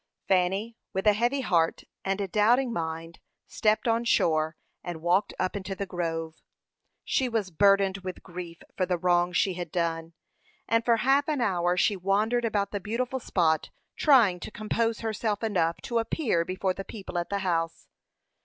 Fanny, with a heavy heart and a doubting mind, stepped on shore, and walked up into the grove. She was burdened with grief for the wrong she had done, and for half an hour she wandered about the beautiful spot, trying to compose herself enough to appear before the people at the house.